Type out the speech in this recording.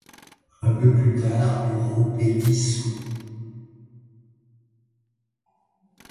Un peu plus tard, le groupe est dissous.